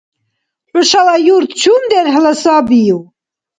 ХӀушала юрт чум дерхӀла сабив?